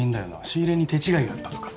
仕入れに手違いがあったとか。